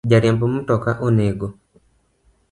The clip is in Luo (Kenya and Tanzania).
Jariemb mtoka onego